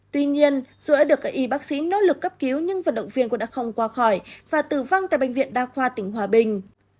tuy nhiên dù đã được các y bác sĩ nỗ lực cấp cứu nhưng vận động viên cũng đã không qua khỏi và tử vong tại bệnh viện đa khoa tỉnh hòa bình